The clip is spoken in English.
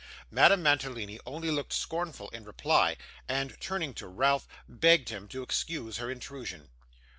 Madame Mantalini only looked scornful in reply; and, turning to Ralph, begged him to excuse her intrusion.